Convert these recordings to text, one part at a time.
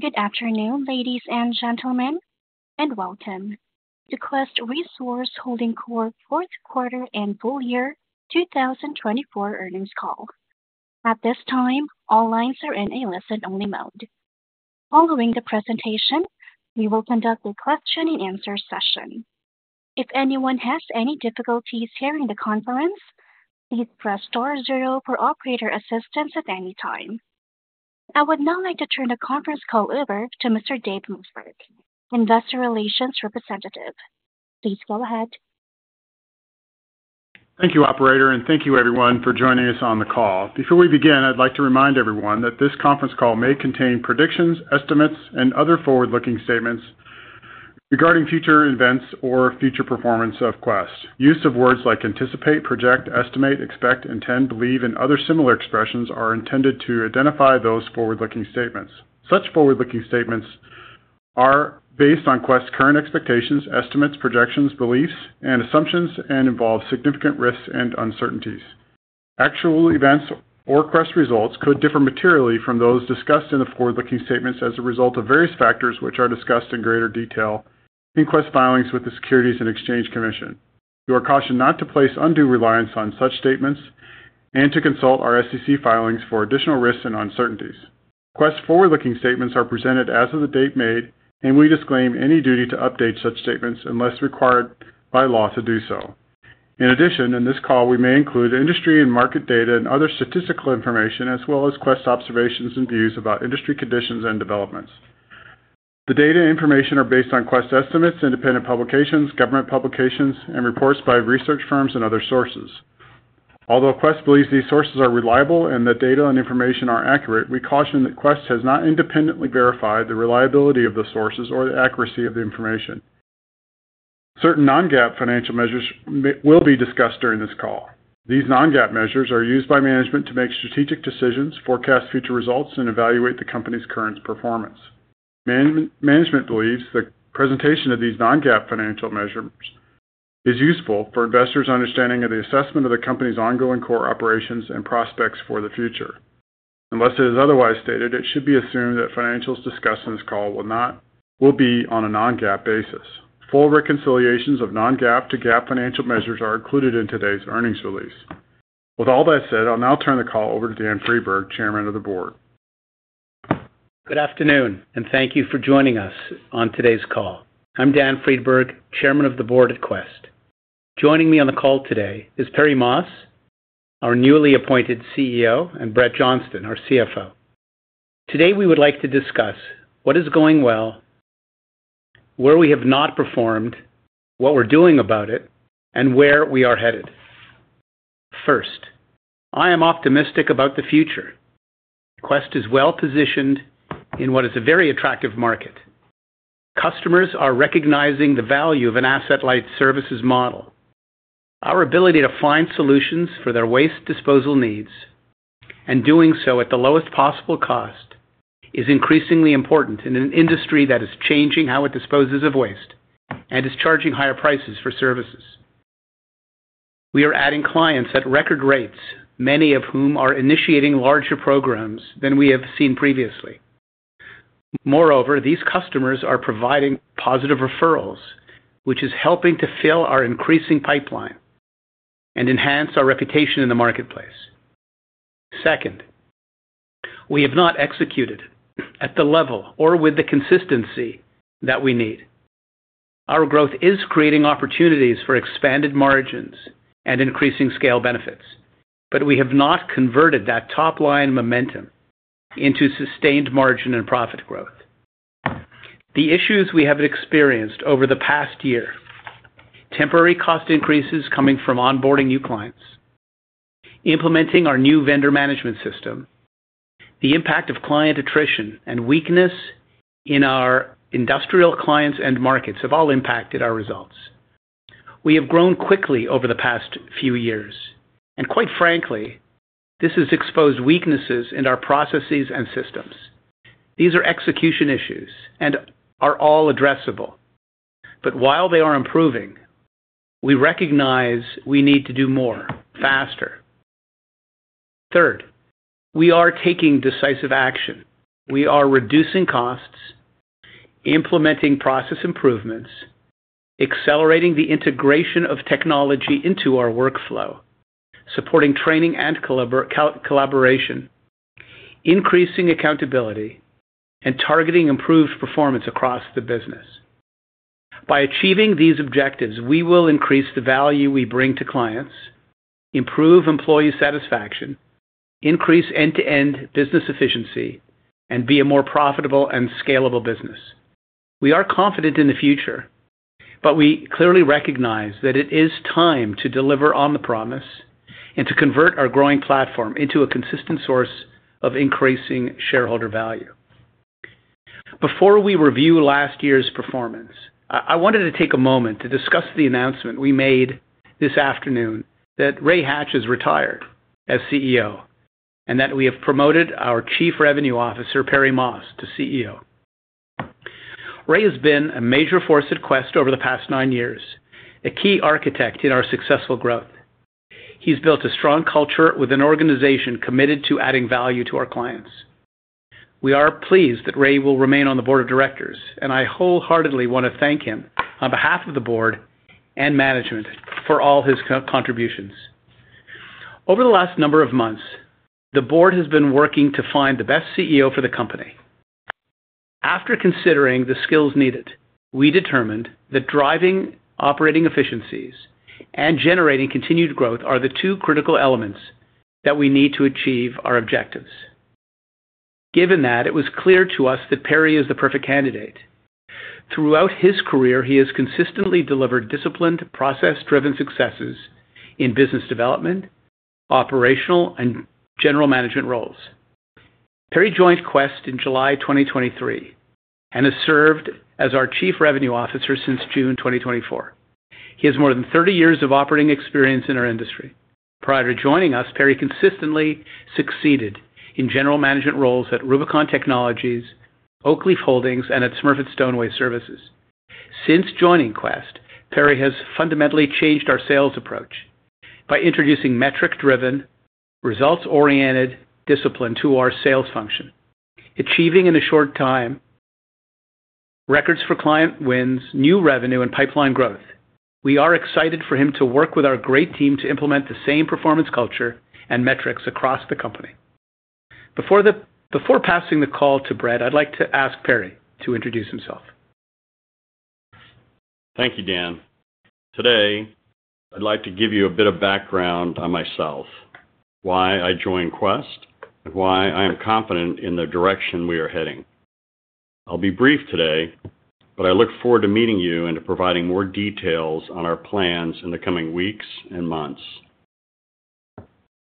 Good afternoon, ladies and gentlemen, and welcome to Quest Resource Holding Corp's fourth quarter and full year 2024 earnings call. At this time, all lines are in a listen-only mode. Following the presentation, we will conduct a question-and-answer session. If anyone has any difficulties hearing the conference, please press star zero for operator assistance at any time. I would now like to turn the conference call over to Mr. Dave Mossberg, Investor Relations Representative. Please go ahead. Thank you, Operator, and thank you, everyone, for joining us on the call. Before we begin, I'd like to remind everyone that this conference call may contain predictions, estimates, and other forward-looking statements regarding future events or future performance of Quest. Use of words like anticipate, project, estimate, expect, intend, believe, and other similar expressions are intended to identify those forward-looking statements. Such forward-looking statements are based on Quest's current expectations, estimates, projections, beliefs, and assumptions, and involve significant risks and uncertainties. Actual events or Quest results could differ materially from those discussed in the forward-looking statements as a result of various factors which are discussed in greater detail in Quest filings with the Securities and Exchange Commission. You are cautioned not to place undue reliance on such statements and to consult our SEC filings for additional risks and uncertainties. Quest forward-looking statements are presented as of the date made, and we disclaim any duty to update such statements unless required by law to do so. In addition, in this call, we may include industry and market data and other statistical information, as well as Quest observations and views about industry conditions and developments. The data and information are based on Quest estimates, independent publications, government publications, and reports by research firms and other sources. Although Quest believes these sources are reliable and the data and information are accurate, we caution that Quest has not independently verified the reliability of the sources or the accuracy of the information. Certain non-GAAP financial measures will be discussed during this call. These non-GAAP measures are used by management to make strategic decisions, forecast future results, and evaluate the company's current performance. Management believes the presentation of these non-GAAP financial measures is useful for investors' understanding of the assessment of the company's ongoing core operations and prospects for the future. Unless it is otherwise stated, it should be assumed that financials discussed in this call will be on a non-GAAP basis. Full reconciliations of non-GAAP to GAAP financial measures are included in today's earnings release. With all that said, I'll now turn the call over to Dan Friedberg, Chairman of the Board. Good afternoon, and thank you for joining us on today's call. I'm Dan Friedberg, Chairman of the Board at Quest. Joining me on the call today is Perry Moss, our newly appointed CEO, and Brett Johnston, our CFO. Today, we would like to discuss what is going well, where we have not performed, what we're doing about it, and where we are headed. First, I am optimistic about the future. Quest is well-positioned in what is a very attractive market. Customers are recognizing the value of an asset-light services model. Our ability to find solutions for their waste disposal needs and doing so at the lowest possible cost is increasingly important in an industry that is changing how it disposes of waste and is charging higher prices for services. We are adding clients at record rates, many of whom are initiating larger programs than we have seen previously. Moreover, these customers are providing positive referrals, which is helping to fill our increasing pipeline and enhance our reputation in the marketplace. Second, we have not executed at the level or with the consistency that we need. Our growth is creating opportunities for expanded margins and increasing scale benefits, but we have not converted that top-line momentum into sustained margin and profit growth. The issues we have experienced over the past year—temporary cost increases coming from onboarding new clients, implementing our new vendor management system, the impact of client attrition, and weakness in our industrial clients and markets—have all impacted our results. We have grown quickly over the past few years, and quite frankly, this has exposed weaknesses in our processes and systems. These are execution issues and are all addressable. While they are improving, we recognize we need to do more faster. Third, we are taking decisive action. We are reducing costs, implementing process improvements, accelerating the integration of technology into our workflow, supporting training and collaboration, increasing accountability, and targeting improved performance across the business. By achieving these objectives, we will increase the value we bring to clients, improve employee satisfaction, increase end-to-end business efficiency, and be a more profitable and scalable business. We are confident in the future, but we clearly recognize that it is time to deliver on the promise and to convert our growing platform into a consistent source of increasing shareholder value. Before we review last year's performance, I wanted to take a moment to discuss the announcement we made this afternoon that Ray Hatch has retired as CEO and that we have promoted our Chief Revenue Officer, Perry Moss, to CEO. Ray has been a major force at Quest over the past nine years, a key architect in our successful growth. He's built a strong culture with an organization committed to adding value to our clients. We are pleased that Ray will remain on the board of directors, and I wholeheartedly want to thank him on behalf of the board and management for all his contributions. Over the last number of months, the board has been working to find the best CEO for the company. After considering the skills needed, we determined that driving operating efficiencies and generating continued growth are the two critical elements that we need to achieve our objectives. Given that, it was clear to us that Perry is the perfect candidate. Throughout his career, he has consistently delivered disciplined, process-driven successes in business development, operational, and general management roles. Perry joined Quest in July 2023 and has served as our Chief Revenue Officer since June 2024. He has more than 30 years of operating experience in our industry. Prior to joining us, Perry consistently succeeded in general management roles at Rubicon Technologies, Oakleaf Holdings, and at Smurfit-Stone Waste Reduction Services. Since joining Quest, Perry has fundamentally changed our sales approach by introducing metric-driven, results-oriented discipline to our sales function, achieving in a short time records for client wins, new revenue, and pipeline growth. We are excited for him to work with our great team to implement the same performance culture and metrics across the company. Before passing the call to Brett, I'd like to ask Perry to introduce himself. Thank you, Dan. Today, I'd like to give you a bit of background on myself, why I joined Quest, and why I am confident in the direction we are heading. I'll be brief today, but I look forward to meeting you and to providing more details on our plans in the coming weeks and months.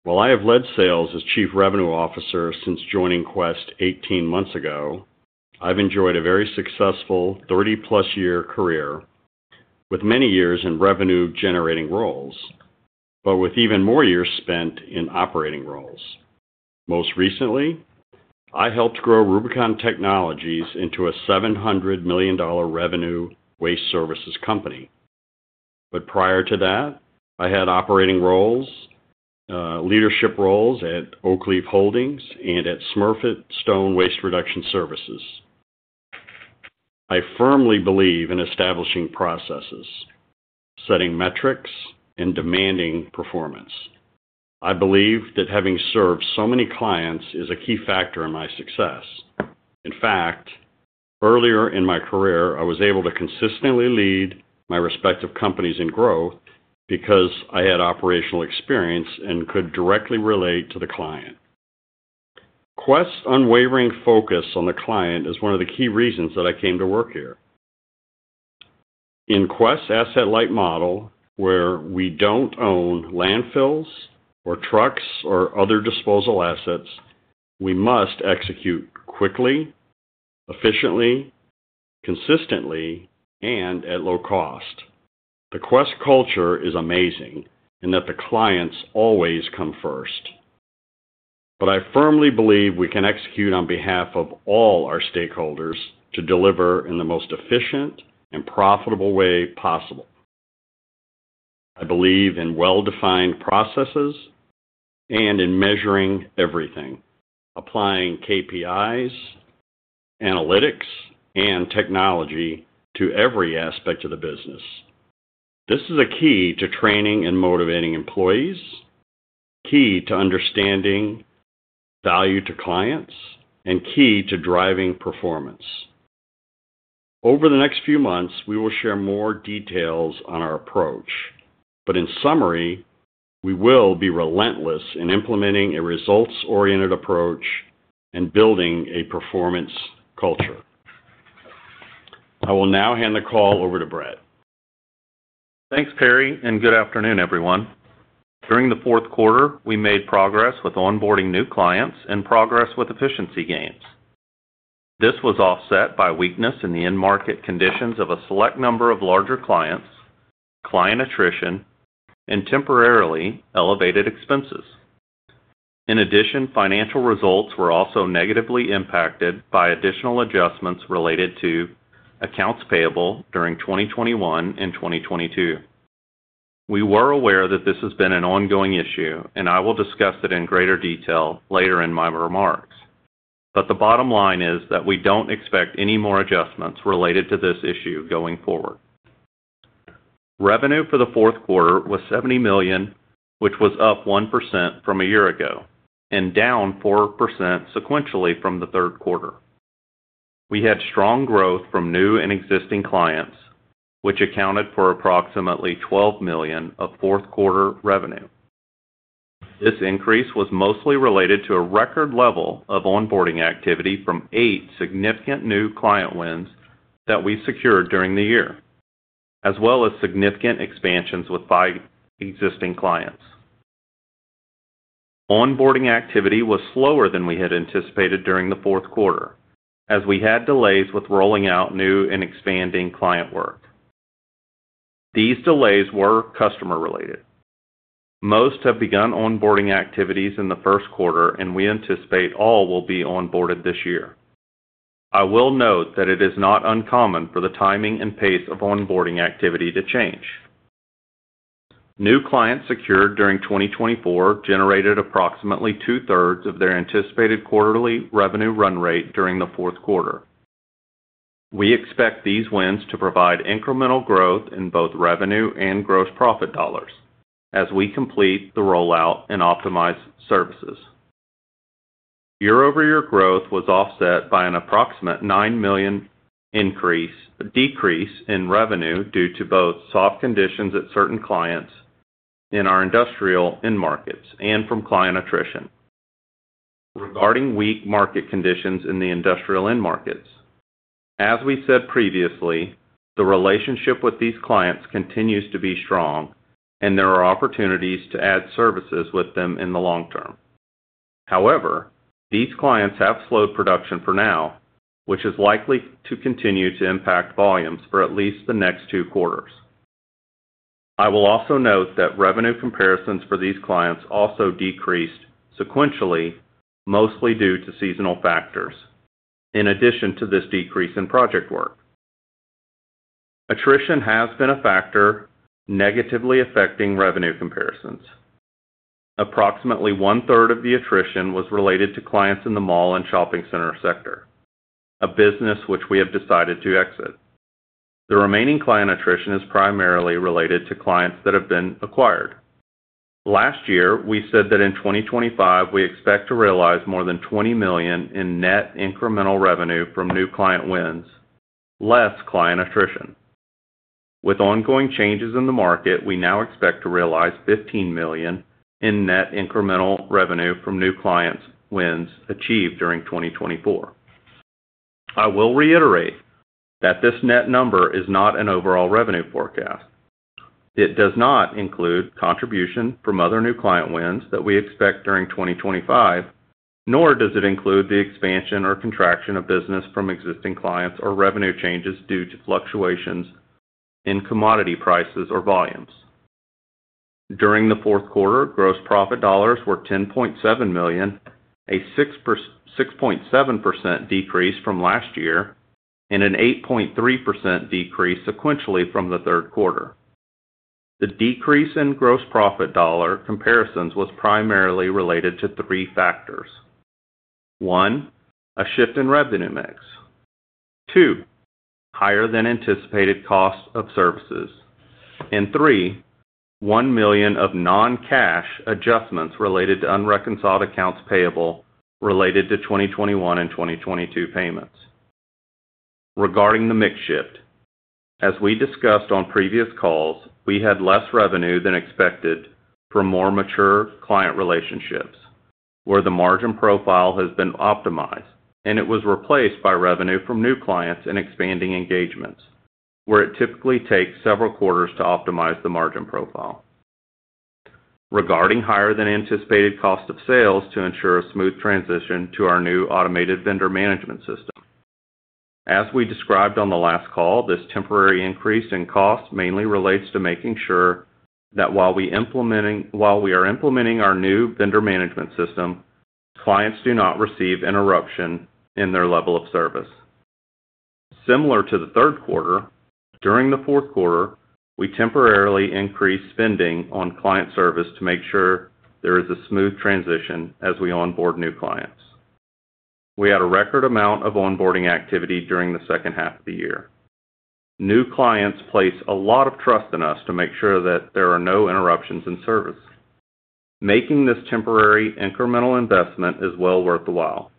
While I have led sales as Chief Revenue Officer since joining Quest 18 months ago, I've enjoyed a very successful 30-plus-year career with many years in revenue-generating roles, but with even more years spent in operating roles. Most recently, I helped grow Rubicon Technologies into a $700 million revenue waste services company. Prior to that, I had operating roles, leadership roles at Oakleaf Holdings and at Smurfit-Stone Waste Reduction Services. I firmly believe in establishing processes, setting metrics, and demanding performance. I believe that having served so many clients is a key factor in my success. In fact, earlier in my career, I was able to consistently lead my respective companies in growth because I had operational experience and could directly relate to the client. Quest's unwavering focus on the client is one of the key reasons that I came to work here. In Quest's asset-light model, where we do not own landfills or trucks or other disposal assets, we must execute quickly, efficiently, consistently, and at low cost. The Quest culture is amazing in that the clients always come first. I firmly believe we can execute on behalf of all our stakeholders to deliver in the most efficient and profitable way possible. I believe in well-defined processes and in measuring everything, applying KPIs, analytics, and technology to every aspect of the business. This is a key to training and motivating employees, key to understanding value to clients, and key to driving performance. Over the next few months, we will share more details on our approach. In summary, we will be relentless in implementing a results-oriented approach and building a performance culture. I will now hand the call over to Brett. Thanks, Perry, and good afternoon, everyone. During the fourth quarter, we made progress with onboarding new clients and progress with efficiency gains. This was offset by weakness in the end-market conditions of a select number of larger clients, client attrition, and temporarily elevated expenses. In addition, financial results were also negatively impacted by additional adjustments related to accounts payable during 2021 and 2022. We were aware that this has been an ongoing issue, and I will discuss it in greater detail later in my remarks. The bottom line is that we do not expect any more adjustments related to this issue going forward. Revenue for the fourth quarter was $70 million, which was up 1% from a year ago and down 4% sequentially from the third quarter. We had strong growth from new and existing clients, which accounted for approximately $12 million of fourth-quarter revenue. This increase was mostly related to a record level of onboarding activity from eight significant new client wins that we secured during the year, as well as significant expansions with five existing clients. Onboarding activity was slower than we had anticipated during the fourth quarter, as we had delays with rolling out new and expanding client work. These delays were customer-related. Most have begun onboarding activities in the first quarter, and we anticipate all will be onboarded this year. I will note that it is not uncommon for the timing and pace of onboarding activity to change. New clients secured during 2024 generated approximately two-thirds of their anticipated quarterly revenue run rate during the fourth quarter. We expect these wins to provide incremental growth in both revenue and gross profit dollars as we complete the rollout and optimize services. Year-over-year growth was offset by an approximate $9 million decrease in revenue due to both soft conditions at certain clients in our industrial end markets and from client attrition. Regarding weak market conditions in the industrial end markets, as we said previously, the relationship with these clients continues to be strong, and there are opportunities to add services with them in the long term. However, these clients have slowed production for now, which is likely to continue to impact volumes for at least the next two quarters. I will also note that revenue comparisons for these clients also decreased sequentially, mostly due to seasonal factors, in addition to this decrease in project work. Attrition has been a factor negatively affecting revenue comparisons. Approximately one-third of the attrition was related to clients in the mall and shopping center sector, a business which we have decided to exit. The remaining client attrition is primarily related to clients that have been acquired. Last year, we said that in 2025, we expect to realize more than $20 million in net incremental revenue from new client wins, less client attrition. With ongoing changes in the market, we now expect to realize $15 million in net incremental revenue from new client wins achieved during 2024. I will reiterate that this net number is not an overall revenue forecast. It does not include contribution from other new client wins that we expect during 2025, nor does it include the expansion or contraction of business from existing clients or revenue changes due to fluctuations in commodity prices or volumes. During the fourth quarter, gross profit dollars were $10.7 million, a 6.7% decrease from last year, and an 8.3% decrease sequentially from the third quarter. The decrease in gross profit dollar comparisons was primarily related to three factors: one, a shift in revenue mix; two, higher than anticipated cost of services; and three, $1 million of non-cash adjustments related to unreconciled accounts payable related to 2021 and 2022 payments. Regarding the mix shift, as we discussed on previous calls, we had less revenue than expected from more mature client relationships, where the margin profile has been optimized, and it was replaced by revenue from new clients and expanding engagements, where it typically takes several quarters to optimize the margin profile. Regarding higher than anticipated cost of sales to ensure a smooth transition to our new automated vendor management system. As we described on the last call, this temporary increase in cost mainly relates to making sure that while we are implementing our new vendor management system, clients do not receive interruption in their level of service. Similar to the third quarter, during the fourth quarter, we temporarily increased spending on client service to make sure there is a smooth transition as we onboard new clients. We had a record amount of onboarding activity during the second half of the year. New clients place a lot of trust in us to make sure that there are no interruptions in service. Making this temporary incremental investment is well worth the while.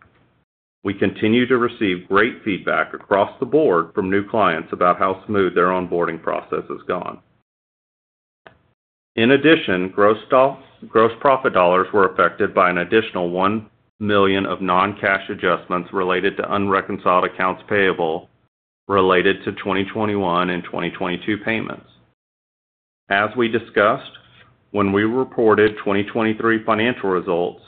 We continue to receive great feedback across the board from new clients about how smooth their onboarding process has gone. In addition, gross profit dollars were affected by an additional $1 million of non-cash adjustments related to unreconciled accounts payable related to 2021 and 2022 payments. As we discussed, when we reported 2023 financial results,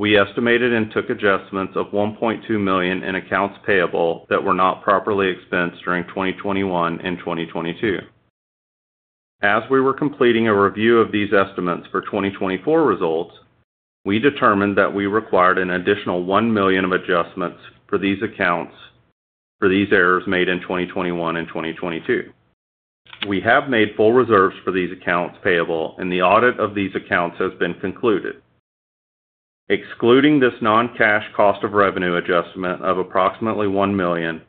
we estimated and took adjustments of $1.2 million in accounts payable that were not properly expensed during 2021 and 2022. As we were completing a review of these estimates for 2024 results, we determined that we required an additional $1 million of adjustments for these accounts for these errors made in 2021 and 2022. We have made full reserves for these accounts payable, and the audit of these accounts has been concluded. Excluding this non-cash cost of revenue adjustment of approximately $1 million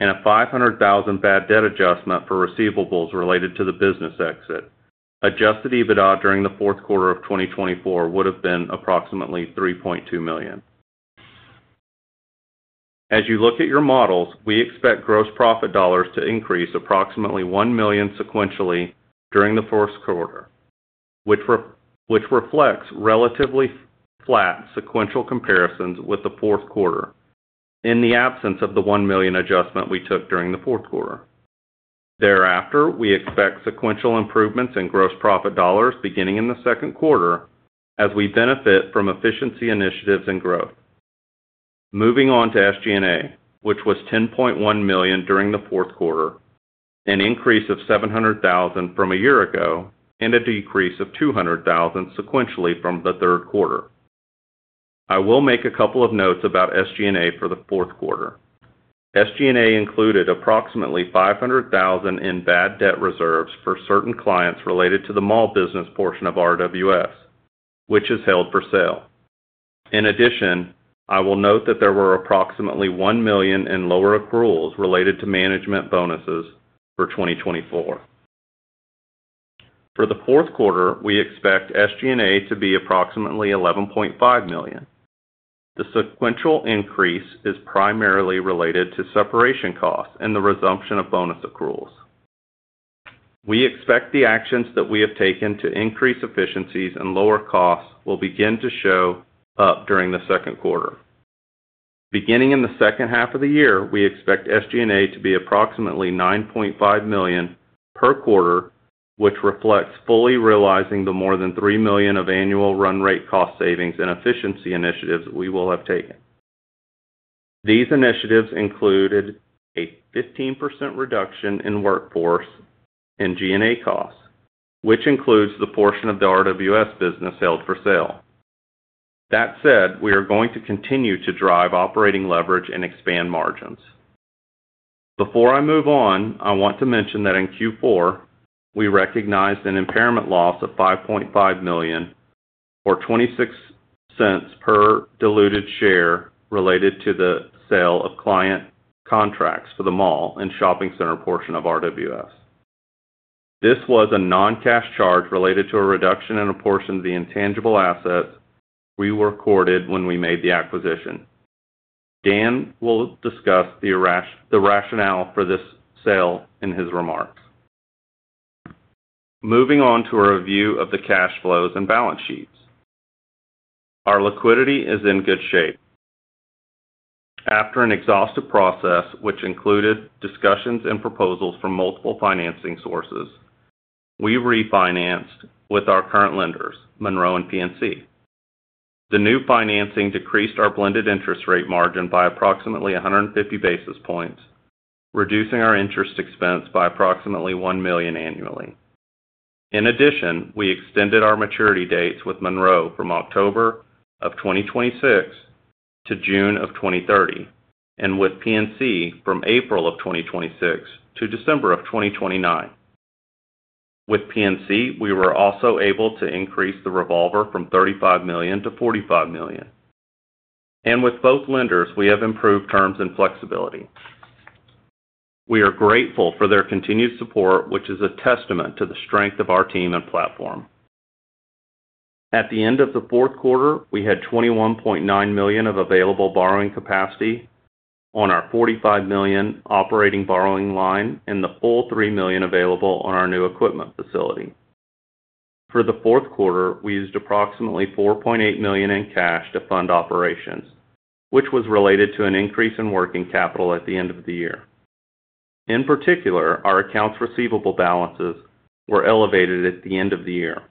and a $500,000 bad debt adjustment for receivables related to the business exit, adjusted EBITDA during the fourth quarter of 2024 would have been approximately $3.2 million. As you look at your models, we expect gross profit dollars to increase approximately $1 million sequentially during the fourth quarter, which reflects relatively flat sequential comparisons with the fourth quarter in the absence of the $1 million adjustment we took during the fourth quarter. Thereafter, we expect sequential improvements in gross profit dollars beginning in the second quarter as we benefit from efficiency initiatives and growth. Moving on to SG&A, which was $10.1 million during the fourth quarter, an increase of $700,000 from a year ago and a decrease of $200,000 sequentially from the third quarter. I will make a couple of notes about SG&A for the fourth quarter. SG&A included approximately $500,000 in bad debt reserves for certain clients related to the mall business portion of RWS, which is held for sale. In addition, I will note that there were approximately $1 million in lower accruals related to management bonuses for 2024. For the fourth quarter, we expect SG&A to be approximately $11.5 million. The sequential increase is primarily related to separation costs and the resumption of bonus accruals. We expect the actions that we have taken to increase efficiencies and lower costs will begin to show up during the second quarter. Beginning in the second half of the year, we expect SG&A to be approximately $9.5 million per quarter, which reflects fully realizing the more than $3 million of annual run rate cost savings and efficiency initiatives we will have taken. These initiatives included a 15% reduction in workforce and G&A costs, which includes the portion of the RWS business held for sale. That said, we are going to continue to drive operating leverage and expand margins. Before I move on, I want to mention that in Q4, we recognized an impairment loss of $5.5 million or $0.26 per diluted share related to the sale of client contracts for the mall and shopping center portion of RWS. This was a non-cash charge related to a reduction in a portion of the intangible assets we recorded when we made the acquisition. Dan will discuss the rationale for this sale in his remarks. Moving on to a review of the cash flows and balance sheets. Our liquidity is in good shape. After an exhaustive process, which included discussions and proposals from multiple financing sources, we refinanced with our current lenders, Monroe and PNC. The new financing decreased our blended interest rate margin by approximately 150 basis points, reducing our interest expense by approximately $1 million annually. In addition, we extended our maturity dates with Monroe from October of 2026 to June of 2030, and with PNC from April of 2026 to December of 2029. With PNC, we were also able to increase the revolver from $35 million to $45 million. With both lenders, we have improved terms and flexibility. We are grateful for their continued support, which is a testament to the strength of our team and platform. At the end of the fourth quarter, we had $21.9 million of available borrowing capacity on our $45 million operating borrowing line and the full $3 million available on our new equipment facility. For the fourth quarter, we used approximately $4.8 million in cash to fund operations, which was related to an increase in working capital at the end of the year. In particular, our accounts receivable balances were elevated at the end of the year.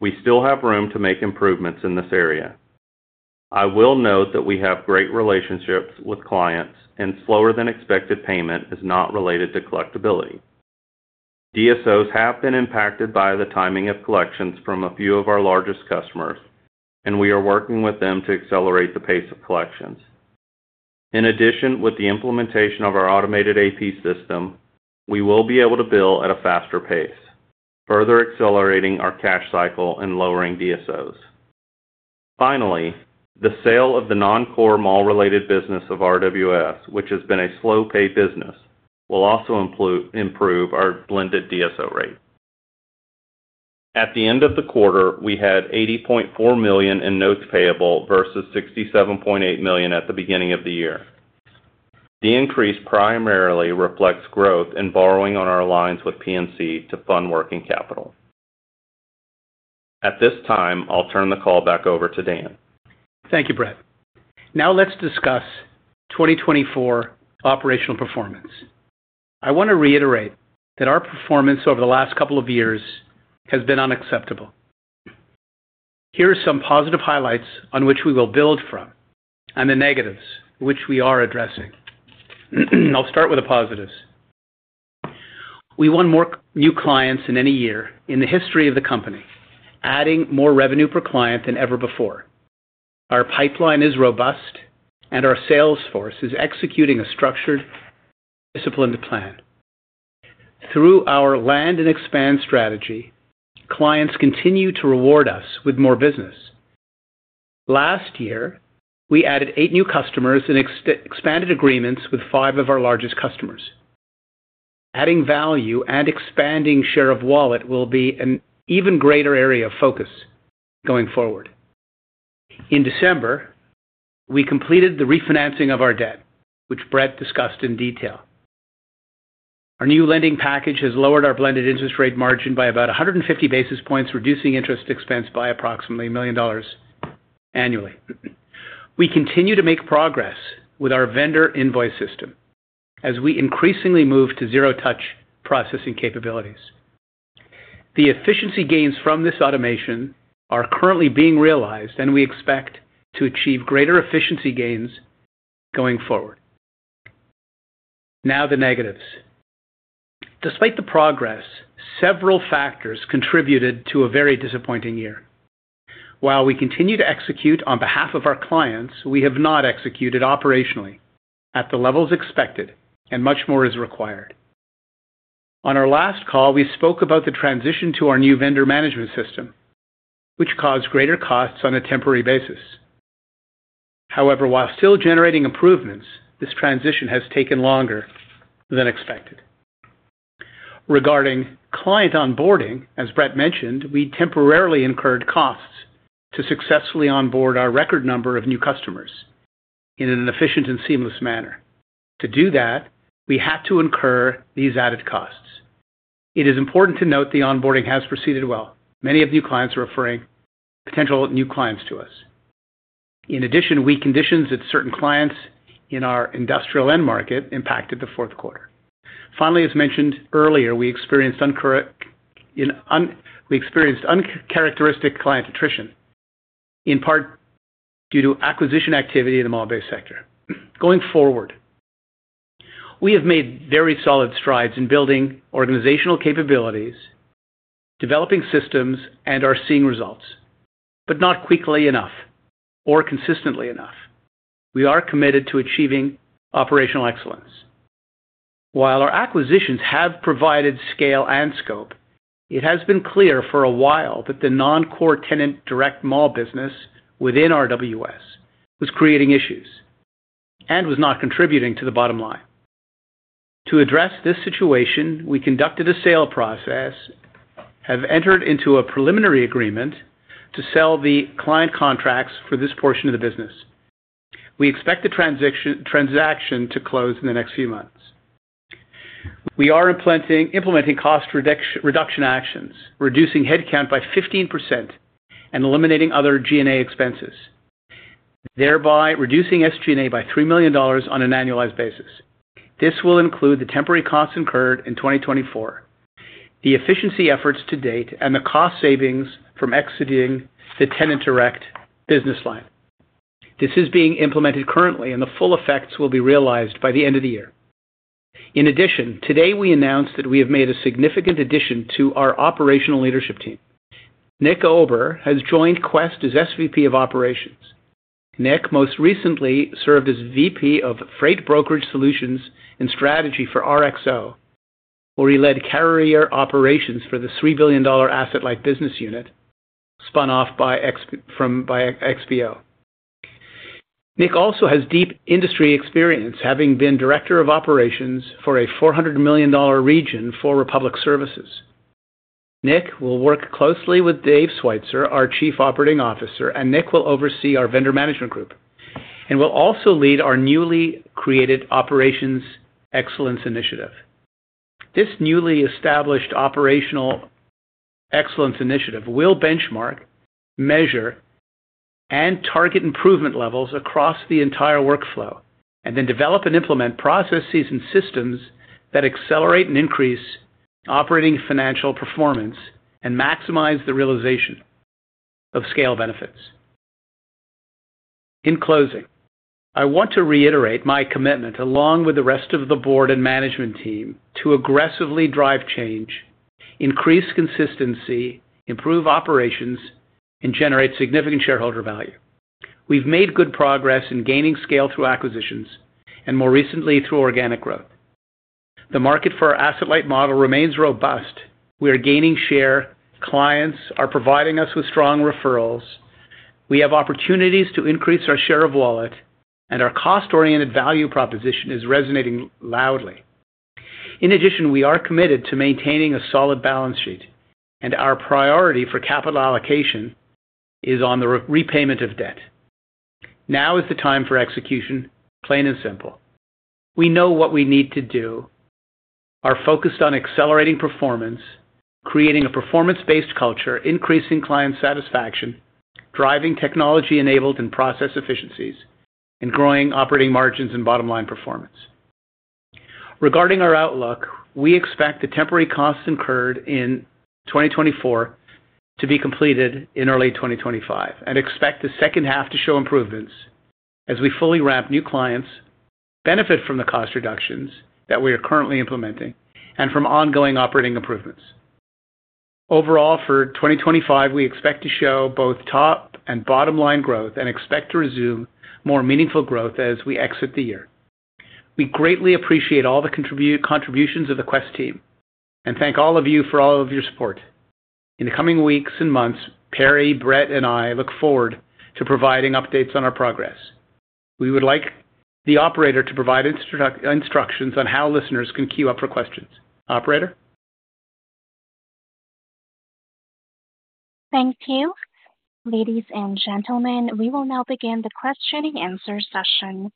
We still have room to make improvements in this area. I will note that we have great relationships with clients, and slower than expected payment is not related to collectibility. DSOs have been impacted by the timing of collections from a few of our largest customers, and we are working with them to accelerate the pace of collections. In addition, with the implementation of our automated AP system, we will be able to bill at a faster pace, further accelerating our cash cycle and lowering DSOs. Finally, the sale of the non-core mall-related business of RWS, which has been a slow-pay business, will also improve our blended DSO rate. At the end of the quarter, we had $80.4 million in notes payable versus $67.8 million at the beginning of the year. The increase primarily reflects growth in borrowing on our lines with PNC to fund working capital. At this time, I'll turn the call back over to Dan. Thank you, Brett. Now let's discuss 2024 operational performance. I want to reiterate that our performance over the last couple of years has been unacceptable. Here are some positive highlights on which we will build from and the negatives which we are addressing. I'll start with the positives. We won more new clients in any year in the history of the company, adding more revenue per client than ever before. Our pipeline is robust, and our sales force is executing a structured, disciplined plan. Through our land and expand strategy, clients continue to reward us with more business. Last year, we added eight new customers and expanded agreements with five of our largest customers. Adding value and expanding share of wallet will be an even greater area of focus going forward. In December, we completed the refinancing of our debt, which Brett discussed in detail. Our new lending package has lowered our blended interest rate margin by about 150 basis points, reducing interest expense by approximately $1 million annually. We continue to make progress with our vendor invoice system as we increasingly move to zero-touch processing capabilities. The efficiency gains from this automation are currently being realized, and we expect to achieve greater efficiency gains going forward. Now the negatives. Despite the progress, several factors contributed to a very disappointing year. While we continue to execute on behalf of our clients, we have not executed operationally at the levels expected, and much more is required. On our last call, we spoke about the transition to our new vendor management system, which caused greater costs on a temporary basis. However, while still generating improvements, this transition has taken longer than expected. Regarding client onboarding, as Brett mentioned, we temporarily incurred costs to successfully onboard our record number of new customers in an efficient and seamless manner. To do that, we had to incur these added costs. It is important to note the onboarding has proceeded well. Many of new clients are referring potential new clients to us. In addition, we had conditions that certain clients in our industrial end market impacted the fourth quarter. Finally, as mentioned earlier, we experienced uncharacteristic client attrition, in part due to acquisition activity in the mall-based sector. Going forward, we have made very solid strides in building organizational capabilities, developing systems, and are seeing results, but not quickly enough or consistently enough. We are committed to achieving operational excellence. While our acquisitions have provided scale and scope, it has been clear for a while that the non-core tenant direct mall business within RWS was creating issues and was not contributing to the bottom line. To address this situation, we conducted a sale process, have entered into a preliminary agreement to sell the client contracts for this portion of the business. We expect the transaction to close in the next few months. We are implementing cost reduction actions, reducing headcount by 15% and eliminating other G&A expenses, thereby reducing SG&A by $3 million on an annualized basis. This will include the temporary costs incurred in 2024, the efficiency efforts to date, and the cost savings from exiting the tenant direct business line. This is being implemented currently, and the full effects will be realized by the end of the year. In addition, today we announced that we have made a significant addition to our operational leadership team. Nick Ober has joined Quest as SVP of Operations. Nick most recently served as VP of Freight Brokerage Solutions and Strategy for RXO, where he led carrier operations for the $3 billion asset-light business unit spun off from XPO. Nick also has deep industry experience, having been director of operations for a $400 million region for Republic Services. Nick will work closely with Dave Schweitzer, our Chief Operating Officer, and Nick will oversee our vendor management group and will also lead our newly created operations excellence initiative. This newly established operational excellence initiative will benchmark, measure, and target improvement levels across the entire workflow and then develop and implement processes and systems that accelerate and increase operating financial performance and maximize the realization of scale benefits. In closing, I want to reiterate my commitment along with the rest of the board and management team to aggressively drive change, increase consistency, improve operations, and generate significant shareholder value. We've made good progress in gaining scale through acquisitions and more recently through organic growth. The market for our asset-light model remains robust. We are gaining share. Clients are providing us with strong referrals. We have opportunities to increase our share of wallet, and our cost-oriented value proposition is resonating loudly. In addition, we are committed to maintaining a solid balance sheet, and our priority for capital allocation is on the repayment of debt. Now is the time for execution, plain and simple. We know what we need to do. Our focus is on accelerating performance, creating a performance-based culture, increasing client satisfaction, driving technology-enabled and process efficiencies, and growing operating margins and bottom-line performance. Regarding our outlook, we expect the temporary costs incurred in 2024 to be completed in early 2025 and expect the second half to show improvements as we fully ramp new clients, benefit from the cost reductions that we are currently implementing, and from ongoing operating improvements. Overall, for 2025, we expect to show both top and bottom-line growth and expect to resume more meaningful growth as we exit the year. We greatly appreciate all the contributions of the Quest team and thank all of you for all of your support. In the coming weeks and months, Perry, Brett, and I look forward to providing updates on our progress. We would like the operator to provide instructions on how listeners can queue up for questions. Operator? Thank you. Ladies and gentlemen, we will now begin the question and answer session.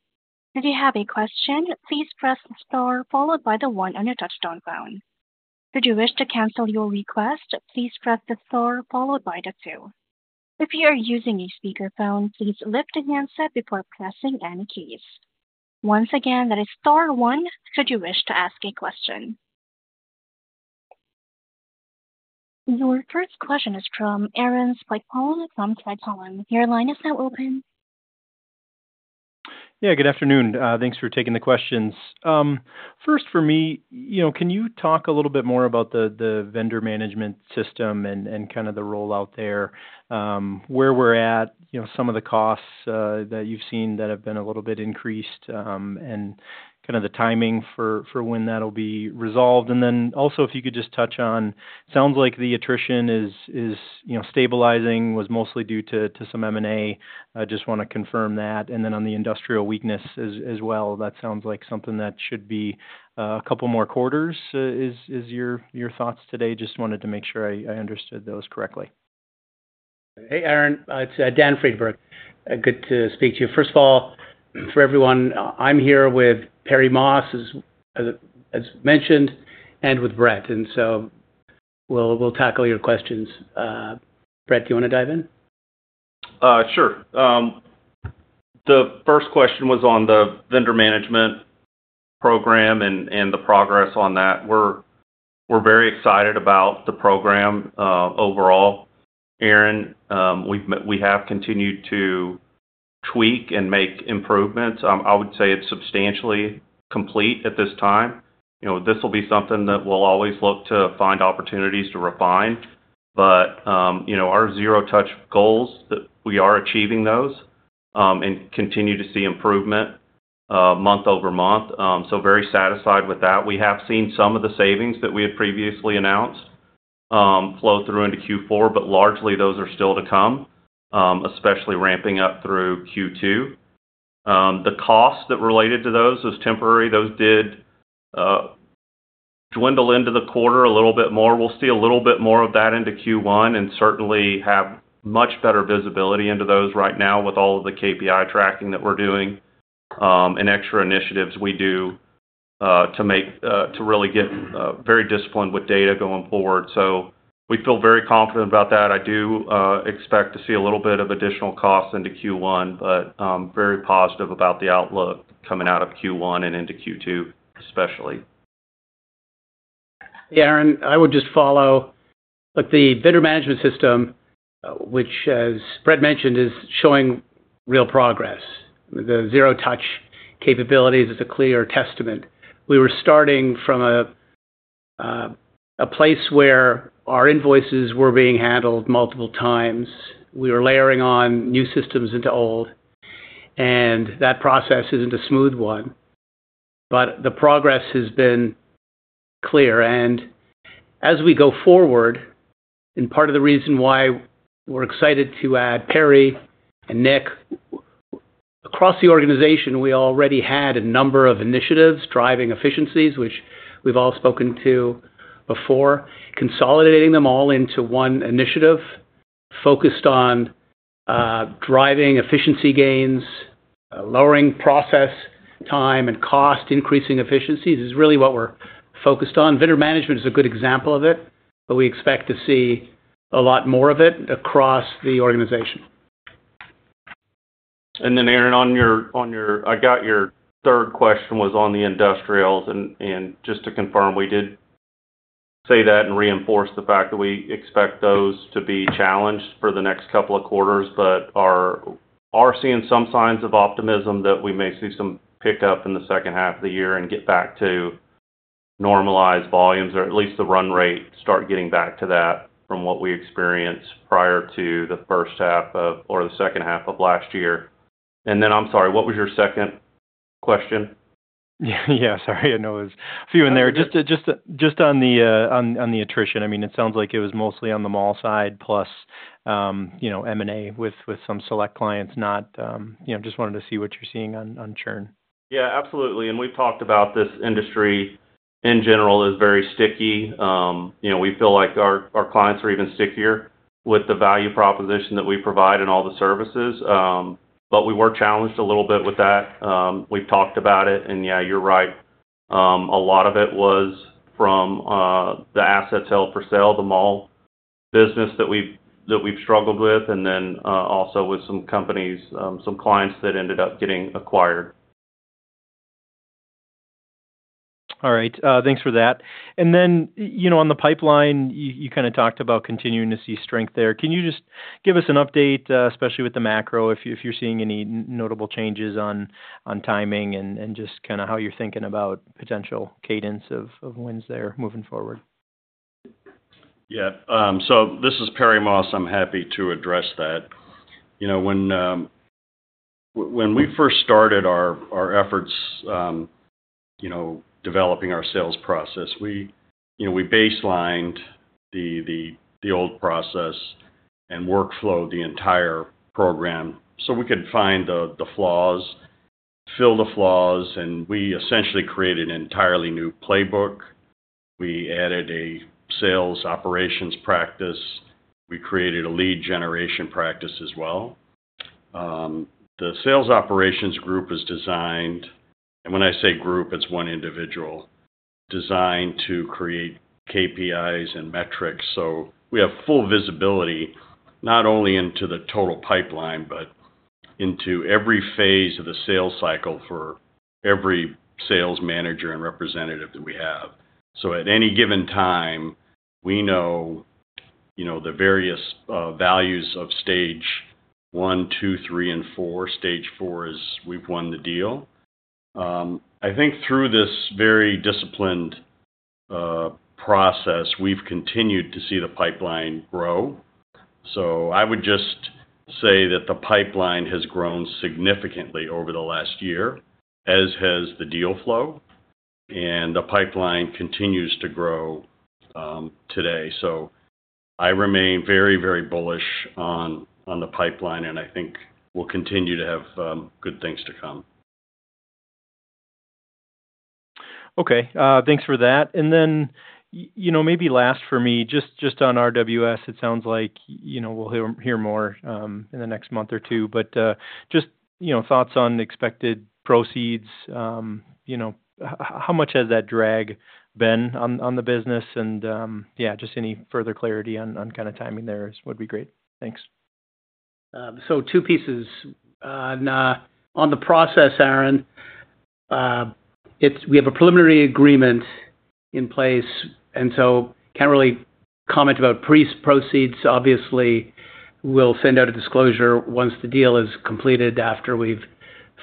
If you have a question, please press the star followed by the one on your touch-tone phone. Should you wish to cancel your request, please press the star followed by the two. If you are using a speakerphone, please lift the handset before pressing any keys. Once again, that is star one. Should you wish to ask a question? Your first question is from Aaron Spychalla from Craig-Hallum. Your line is now open. Yeah, good afternoon. Thanks for taking the questions. First, for me, can you talk a little bit more about the vendor management system and kind of the rollout there, where we're at, some of the costs that you've seen that have been a little bit increased, and kind of the timing for when that'll be resolved? If you could just touch on, it sounds like the attrition is stabilizing, was mostly due to some M&A. I just want to confirm that. On the industrial weakness as well, that sounds like something that should be a couple more quarters is your thoughts today. Just wanted to make sure I understood those correctly. Hey, Aaron. It's Dan Friedberg. Good to speak to you. First of all, for everyone, I'm here with Perry Moss, as mentioned, and with Brett. We'll tackle your questions. Brett, do you want to dive in? Sure. The first question was on the vendor management program and the progress on that. We're very excited about the program overall. Aaron, we have continued to tweak and make improvements. I would say it's substantially complete at this time. This will be something that we'll always look to find opportunities to refine. Our zero-touch goals, we are achieving those and continue to see improvement month over month. Very satisfied with that. We have seen some of the savings that we had previously announced flow through into Q4, but largely those are still to come, especially ramping up through Q2. The costs that related to those is temporary. Those did dwindle into the quarter a little bit more. We'll see a little bit more of that into Q1 and certainly have much better visibility into those right now with all of the KPI tracking that we're doing and extra initiatives we do to really get very disciplined with data going forward. We feel very confident about that. I do expect to see a little bit of additional costs into Q1, but very positive about the outlook coming out of Q1 and into Q2, especially. Hey, Aaron. I would just follow. Look, the vendor management system, which, as Brett mentioned, is showing real progress. The zero-touch capabilities is a clear testament. We were starting from a place where our invoices were being handled multiple times. We were layering on new systems into old. That process isn't a smooth one. The progress has been clear. As we go forward, and part of the reason why we're excited to add Perry and Nick, across the organization, we already had a number of initiatives driving efficiencies, which we've all spoken to before, consolidating them all into one initiative focused on driving efficiency gains, lowering process time and cost, increasing efficiencies is really what we're focused on. Vendor management is a good example of it, but we expect to see a lot more of it across the organization. Aaron, on your, I got your third question was on the industrials. Just to confirm, we did say that and reinforce the fact that we expect those to be challenged for the next couple of quarters, but are seeing some signs of optimism that we may see some pickup in the second half of the year and get back to normalized volumes, or at least the run rate start getting back to that from what we experienced prior to the first half of or the second half of last year. I'm sorry, what was your second question? Yeah, sorry. I know there's a few in there. Just on the attrition, I mean, it sounds like it was mostly on the mall side plus M&A with some select clients. Just wanted to see what you're seeing on churn. Yeah, absolutely. We've talked about this industry in general is very sticky. We feel like our clients are even stickier with the value proposition that we provide and all the services. We were challenged a little bit with that. We've talked about it. Yeah, you're right. A lot of it was from the assets held for sale, the mall business that we've struggled with, and then also with some companies, some clients that ended up getting acquired. All right. Thanks for that. On the pipeline, you kind of talked about continuing to see strength there. Can you just give us an update, especially with the macro, if you're seeing any notable changes on timing and just kind of how you're thinking about potential cadence of wins there moving forward? Yeah. This is Perry Moss. I'm happy to address that. When we first started our efforts developing our sales process, we baselined the old process and workflowed the entire program so we could find the flaws, fill the flaws, and we essentially created an entirely new playbook. We added a sales operations practice. We created a lead generation practice as well. The sales operations group is designed, and when I say group, it's one individual, designed to create KPIs and metrics. We have full visibility not only into the total pipeline but into every phase of the sales cycle for every sales manager and representative that we have. At any given time, we know the various values of stage one, two, three, and four. Stage four is we've won the deal. I think through this very disciplined process, we've continued to see the pipeline grow. I would just say that the pipeline has grown significantly over the last year, as has the deal flow. The pipeline continues to grow today. I remain very, very bullish on the pipeline, and I think we'll continue to have good things to come. Okay. Thanks for that. Maybe last for me, just on RWS, it sounds like we'll hear more in the next month or two. Just thoughts on expected proceeds. How much has that drag been on the business? Any further clarity on kind of timing there would be great. Thanks. Two pieces. On the process, Aaron, we have a preliminary agreement in place. So can't really comment about proceeds. Obviously, we'll send out a disclosure once the deal is completed after we've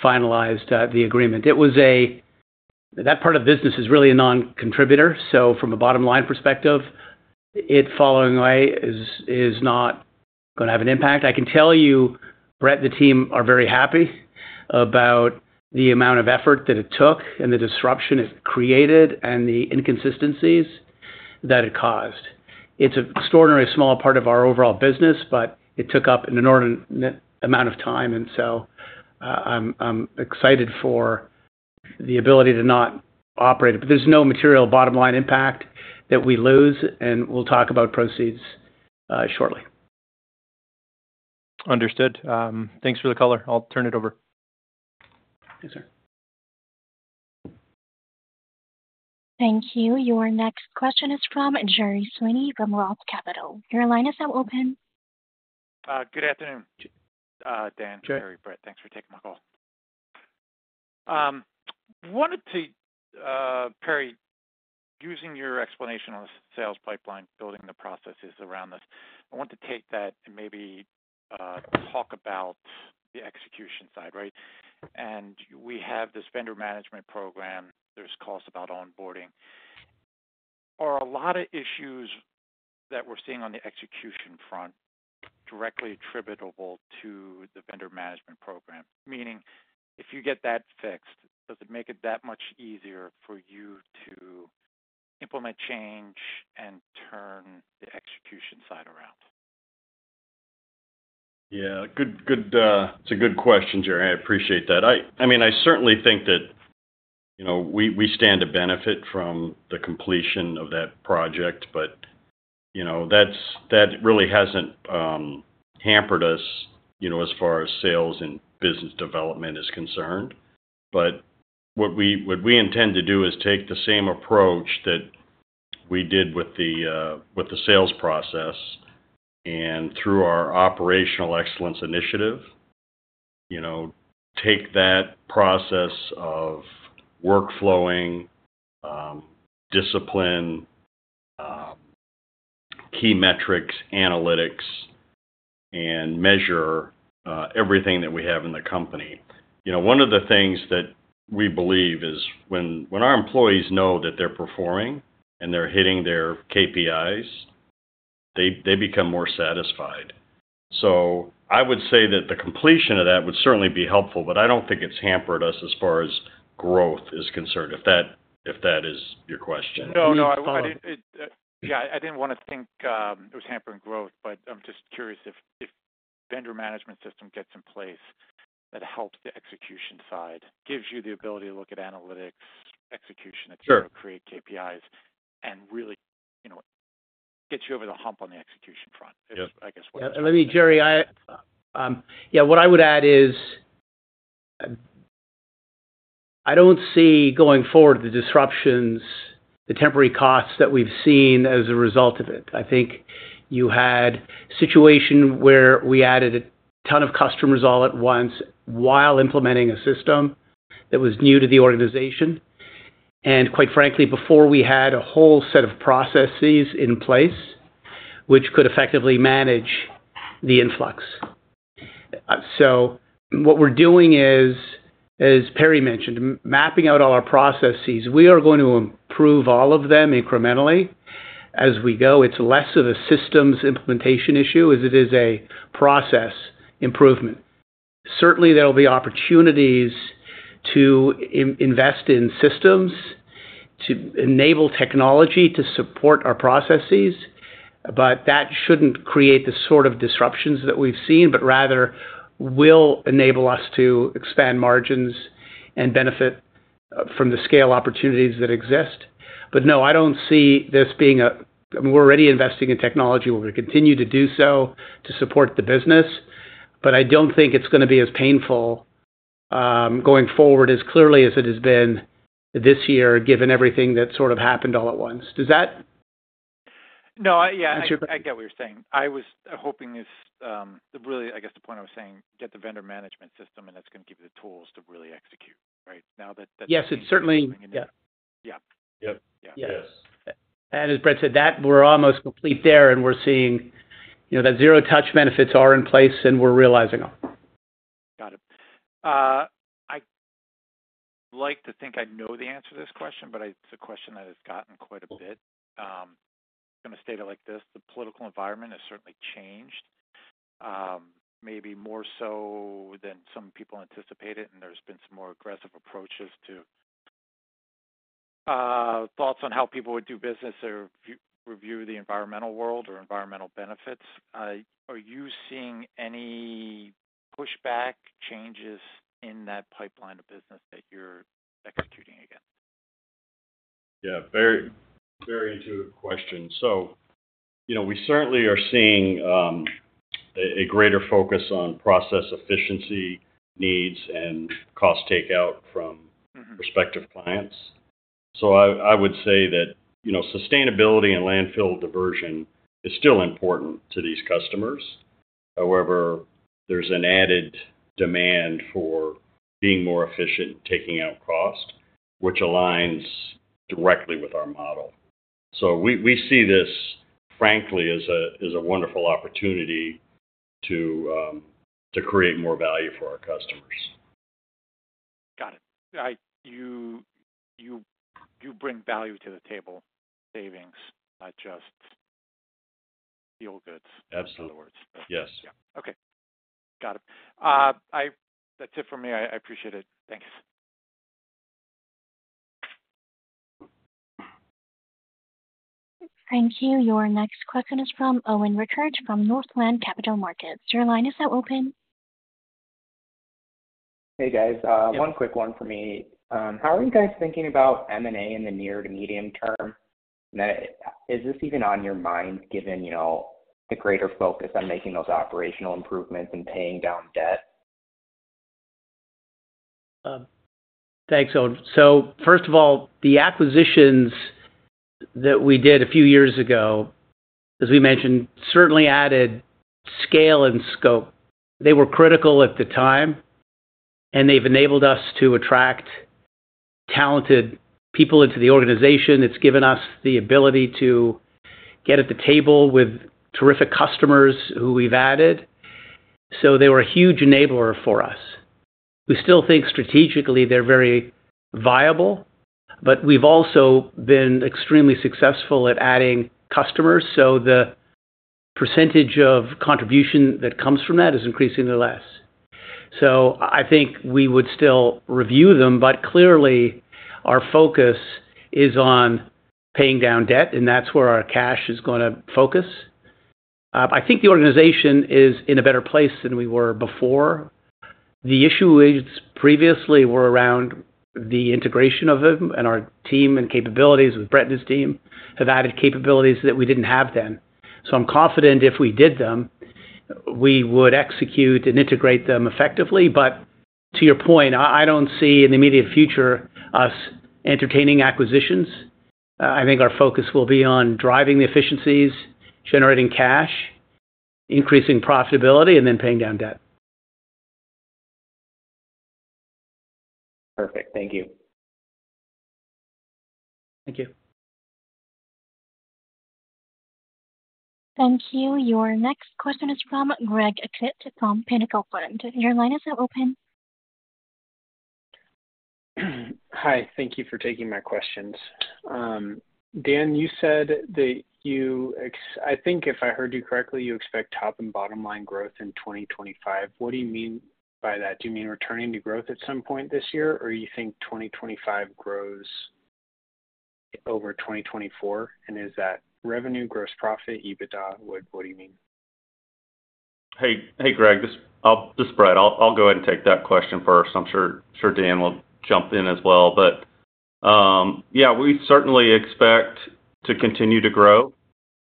finalized the agreement. That part of the business is really a non-contributor. From a bottom-line perspective, it falling away is not going to have an impact. I can tell you, Brett, the team are very happy about the amount of effort that it took and the disruption it created and the inconsistencies that it caused. It's an extraordinarily small part of our overall business, but it took up an inordinate amount of time. I'm excited for the ability to not operate. There's no material bottom-line impact that we lose. We'll talk about proceeds shortly. Understood. Thanks for the color. I'll turn it over. Yes, sir. Thank you. Your next question is from Gerry Sweeney from ROTH Capital. Your line is now open. Good afternoon, Dan, Perry, Brett. Thanks for taking my call. Perry, using your explanation on the sales pipeline, building the processes around this, I want to take that and maybe talk about the execution side, right? And we have this vendor management program. There's costs about onboarding. Are a lot of issues that we're seeing on the execution front directly attributable to the vendor management program? Meaning, if you get that fixed, does it make it that much easier for you to implement change and turn the execution side around? Yeah. It's a good question, Gerry. I appreciate that. I mean, I certainly think that we stand to benefit from the completion of that project. That really hasn't hampered us as far as sales and business development is concerned. What we intend to do is take the same approach that we did with the sales process and through our operational excellence initiative, take that process of workflowing, discipline, key metrics, analytics, and measure everything that we have in the company. One of the things that we believe is when our employees know that they're performing and they're hitting their KPIs, they become more satisfied. I would say that the completion of that would certainly be helpful. I don't think it's hampered us as far as growth is concerned, if that is your question. No, no. Yeah. I didn't want to think it was hampering growth, but I'm just curious if the vendor management system gets in place that helps the execution side, gives you the ability to look at analytics, execution materials, create KPIs, and really gets you over the hump on the execution front, I guess. Yeah. Let me, Gerry. Yeah. What I would add is I don't see going forward the disruptions, the temporary costs that we've seen as a result of it. I think you had a situation where we added a ton of customers all at once while implementing a system that was new to the organization. And quite frankly, before we had a whole set of processes in place which could effectively manage the influx. So what we're doing is, as Perry mentioned, mapping out all our processes. We are going to improve all of them incrementally as we go. It's less of a systems implementation issue as it is a process improvement. Certainly, there will be opportunities to invest in systems to enable technology to support our processes. That shouldn't create the sort of disruptions that we've seen, but rather will enable us to expand margins and benefit from the scale opportunities that exist. No, I don't see this being a we're already investing in technology. We're going to continue to do so to support the business. I don't think it's going to be as painful going forward as clearly as it has been this year, given everything that sort of happened all at once. Does that answer your question? No, yeah. I get what you're saying. I was hoping is really, I guess, the point I was saying, get the vendor management system, and that's going to give you the tools to really execute, right? Now that that's happening. Yes. It certainly. Yeah. Yeah. Yeah. Yes. And as Brett said, we're almost complete there. We're seeing that zero-touch benefits are in place, and we're realizing them. Got it. I'd like to think I know the answer to this question, but it's a question that has gotten quite a bit. I'm going to state it like this. The political environment has certainly changed, maybe more so than some people anticipated. There's been some more aggressive approaches to thoughts on how people would do business or review the environmental world or environmental benefits. Are you seeing any pushback, changes in that pipeline of business that you're executing against? Yeah. Very intuitive question. We certainly are seeing a greater focus on process efficiency needs and cost takeout from prospective clients. I would say that sustainability and landfill diversion is still important to these customers. However, there's an added demand for being more efficient and taking out cost, which aligns directly with our model. We see this, frankly, as a wonderful opportunity to create more value for our customers. Got it. You bring value to the table, savings, not just fuel goods. Absolutely. Yes. Okay. Got it. That's it for me. I appreciate it. Thanks. Thank you. Your next question is from Owen Rickert from Northland Capital Markets. Your line is now open. Hey, guys. One quick one for me. How are you guys thinking about M&A in the near to medium term? Is this even on your mind, given the greater focus on making those operational improvements and paying down debt? Thanks, Owen. First of all, the acquisitions that we did a few years ago, as we mentioned, certainly added scale and scope. They were critical at the time. They've enabled us to attract talented people into the organization. It's given us the ability to get at the table with terrific customers who we've added. They were a huge enabler for us. We still think strategically they're very viable. We've also been extremely successful at adding customers. The percentage of contribution that comes from that is increasingly less. I think we would still review them. Clearly, our focus is on paying down debt. That's where our cash is going to focus. I think the organization is in a better place than we were before. The issues previously were around the integration of them. Our team and capabilities with Brett and his team have added capabilities that we didn't have then. I'm confident if we did them, we would execute and integrate them effectively. But to your point, I don't see in the immediate future us entertaining acquisitions. I think our focus will be on driving the efficiencies, generating cash, increasing profitability, and then paying down debt. Perfect. Thank you. Thank you. Thank you. Your next question is from Greg Kitt from Pinnacle Family Office. Gerry Sweeney, is that open? Hi. Thank you for taking my questions. Dan, you said that you—I think if I heard you correctly, you expect top and bottom-line growth in 2025. What do you mean by that? Do you mean returning to growth at some point this year? Or you think 2025 grows over 2024? And is that revenue, gross profit, EBITDA? What do you mean? Hey, Greg. This is Brett. I'll go ahead and take that question first. I'm sure Dan will jump in as well. But yeah, we certainly expect to continue to grow.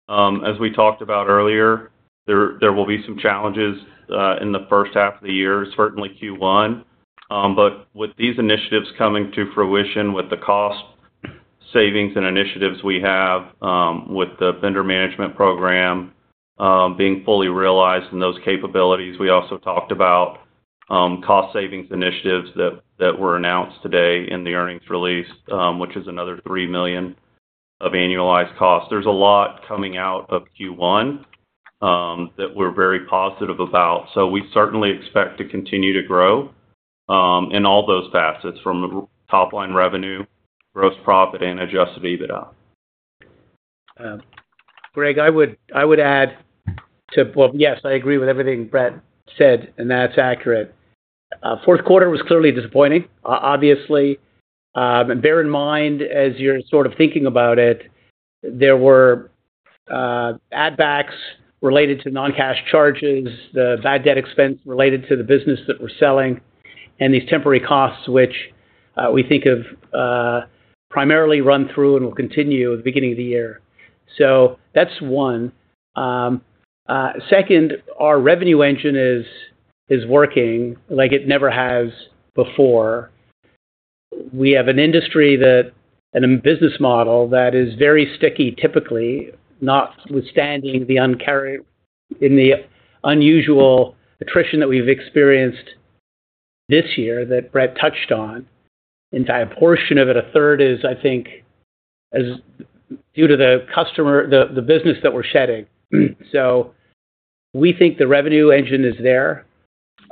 As we talked about earlier, there will be some challenges in the first half of the year, certainly Q1. With these initiatives coming to fruition, with the cost savings and initiatives we have with the vendor management program being fully realized and those capabilities, we also talked about cost savings initiatives that were announced today in the earnings release, which is another $3 million of annualized cost. There is a lot coming out of Q1 that we are very positive about. We certainly expect to continue to grow in all those facets from top-line revenue, gross profit, and adjusted EBITDA. Greg, I would add to—yes, I agree with everything Brett said. That is accurate. Fourth quarter was clearly disappointing, obviously. Bear in mind, as you're sort of thinking about it, there were add-backs related to non-cash charges, the bad debt expense related to the business that we're selling, and these temporary costs, which we think have primarily run through and will continue at the beginning of the year. That's one. Second, our revenue engine is working like it never has before. We have an industry and a business model that is very sticky, typically notwithstanding the unusual attrition that we've experienced this year that Brett touched on. In fact, a portion of it, a third, is, I think, due to the business that we're shedding. We think the revenue engine is there.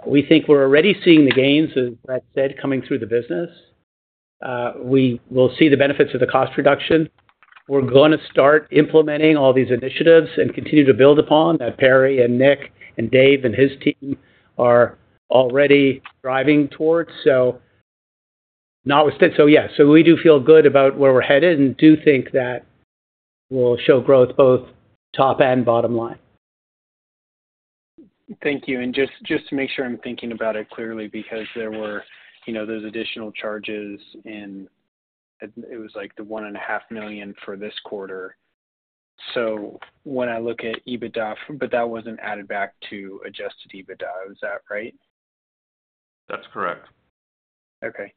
We think we're already seeing the gains, as Brett said, coming through the business. We will see the benefits of the cost reduction. We're going to start implementing all these initiatives and continue to build upon that Perry and Nick and Dave and his team are already driving towards. Yeah, we do feel good about where we're headed and do think that will show growth both top and bottom line. Thank you. Just to make sure I'm thinking about it clearly, because there were those additional charges, and it was like the $1.5 million for this quarter. When I look at EBITDA—but that wasn't added back to adjusted EBITDA. Is that right? That's correct. Okay.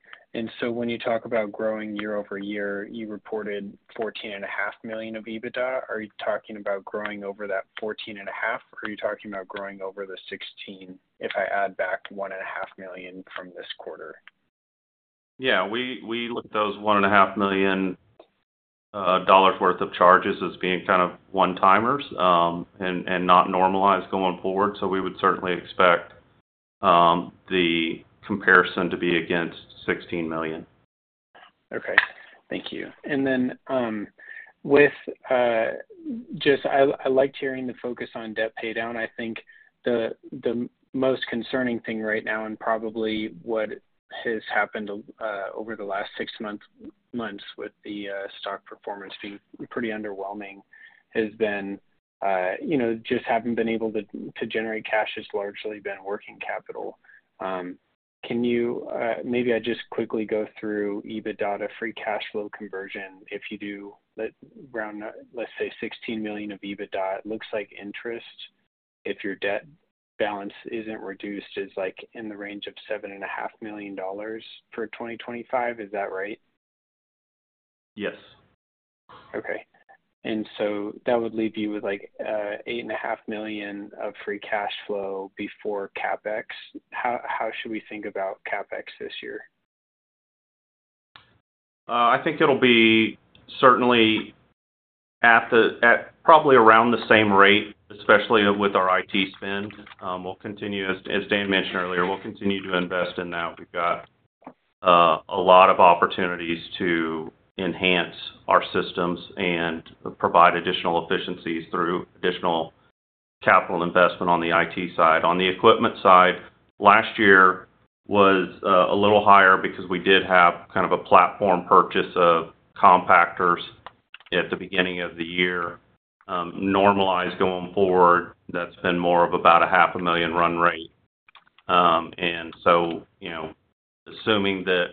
When you talk about growing year over year, you reported $14.5 million of EBITDA. Are you talking about growing over that $14.5 million? Or are you talking about growing over the $16 million if I add back $1.5 million from this quarter? Yeah. We looked at those $1.5 million worth of charges as being kind of one-timers and not normalized going forward. We would certainly expect the comparison to be against $16 million. Okay. Thank you. I liked hearing the focus on debt paydown. I think the most concerning thing right now, and probably what has happened over the last six months with the stock performance being pretty underwhelming, has been just having been able to generate cash has largely been working capital. Maybe I just quickly go through EBITDA to free cash flow conversion. If you do round, let's say, $16 million of EBITDA, it looks like interest, if your debt balance is not reduced, is in the range of $7.5 million for 2025. Is that right? Yes. Okay. That would leave you with $8.5 million of free cash flow before CapEx. How should we think about CapEx this year? I think it'll be certainly at probably around the same rate, especially with our IT spend. As Dan mentioned earlier, we'll continue to invest in that. We've got a lot of opportunities to enhance our systems and provide additional efficiencies through additional capital investment on the IT side. On the equipment side, last year was a little higher because we did have kind of a platform purchase of compactors at the beginning of the year. Normalized going forward, that's been more of about $500,000 run rate. And so assuming that.